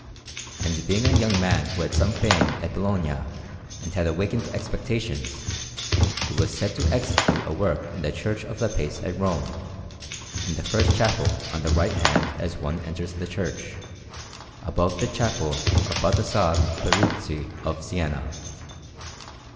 And being a young man who had some fame at Bologna and had awakened expectations, he was set to execute a work in the Church of the Pace at Rome, in the first chapel on the right hand as one enters the church, above the chapel of Baldassarre Peruzzi of Siena.